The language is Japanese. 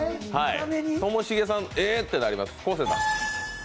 ともしげさん、えーってなります。